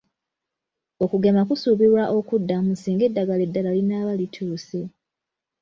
Okugema kusuubirwa okuddamu singa eddagala eddala linaaba lituuse.